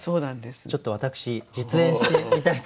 ちょっと私実演してみたいと思います。